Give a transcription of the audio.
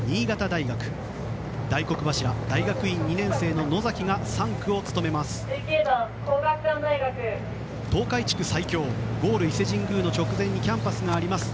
大黒柱、大学院２年生の野崎が３区を務めます。